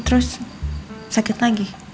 terus sakit lagi